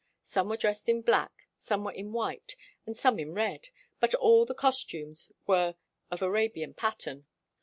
Some were dressed in black, some were in white, and some in red; but all the costumes were of Arabian pattern.